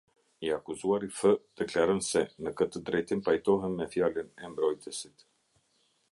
I akuzuari F deklaron se, në këtë drejtim pajtohem me fjalën e mbrojtësit.